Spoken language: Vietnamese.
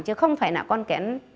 chứ không phải là con kén